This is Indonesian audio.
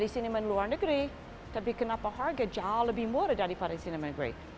sampai jumpa di cinema great